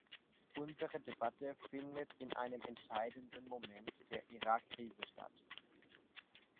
Unsere Debatte findet in einem entscheidenden Moment der Irak-Krise statt.